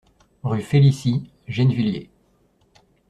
Rue Félicie, Gennevilliers